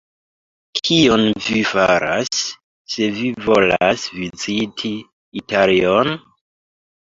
Kion vi faras, se vi volas viziti Italion?